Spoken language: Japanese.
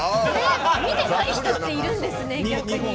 見てない人っているんですね。